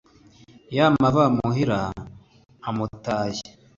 Ya mavamuhira amutaye,